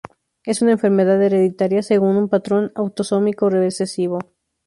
Es una enfermedad hereditaria según un patrón autosómico recesivo.